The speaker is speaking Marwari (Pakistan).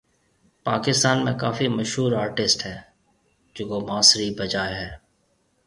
پاڪستان ۾ ڪافي مشھور ارٽسٽ ھيَََ جڪو بانسري بجائي ھيَََ